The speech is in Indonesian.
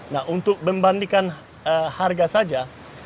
nah untuk membandingkan harga saja